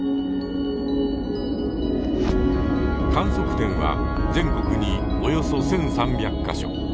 観測点は全国におよそ１，３００か所。